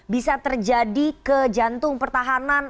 bisa terjadi ke jantung pertahanan